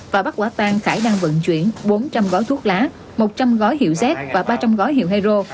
và bắt quả tan khải đang vận chuyển bốn trăm linh gói thuốc lá một trăm linh gói hiệu z và ba trăm linh gói hiệu hero